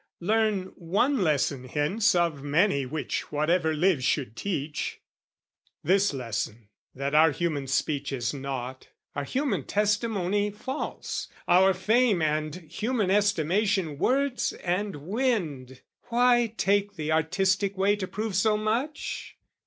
learn one lesson hence Of many which whatever lives should teach: This lesson, that our human speech is naught, Our human testimony false, our fame And human estimation words and wind. Why take the artistic way to prove so much?